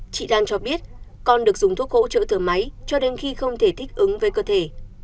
chị đang cho biết con được dùng thuốc hỗ trợ thở máy cho đến khi không thể thích ứng với cơ thể